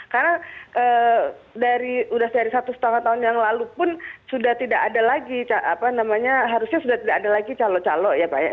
karena dari sudah dari satu setengah tahun yang lalu pun sudah tidak ada lagi apa namanya harusnya sudah tidak ada lagi calok calok ya pak